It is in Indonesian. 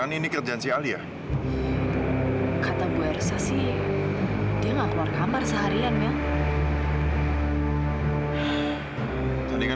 lain kali bapak tuh harus hati hati ya